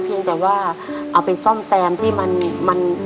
เพียงแต่ว่าเอาไปซ่อมแซมที่มัน